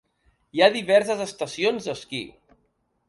Hi ha diverses estacions d'esquí.